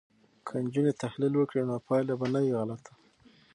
که نجونې تحلیل وکړي نو پایله به نه وي غلطه.